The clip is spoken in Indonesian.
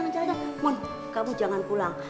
eh jangan jangan mumun kamu jangan pulang